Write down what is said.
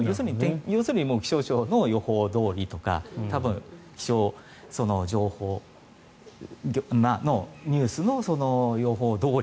要するに気象庁の予報どおりとか多分、気象の情報ニュースの予報どおり。